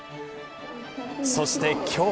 そして今日。